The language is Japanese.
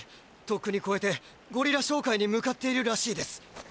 とっくにこえてゴリラ商会に向かっているらしいです。